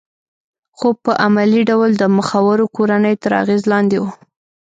خو په عملي ډول د مخورو کورنیو تر اغېز لاندې وه